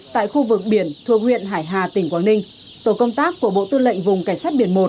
tại khu vực biển thuộc huyện hải hà tỉnh quảng ninh tổ công tác của bộ tư lệnh vùng cảnh sát biển một